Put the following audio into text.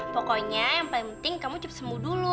pokoknya yang penting kamu cepet sembuh dulu